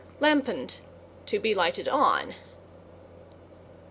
=LAMPONED= To be lighted on.